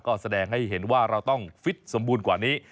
ก็แสดงให้เห็นว่าเราต้องฟิตสมบูรณ์กว่านี้